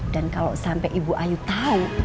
dan kalau sampe ibu ayu tau